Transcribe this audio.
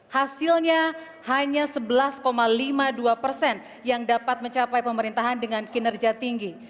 hasilnya hanya sebelas lima puluh dua persen yang dapat mencapai pemerintahan dengan kinerja tinggi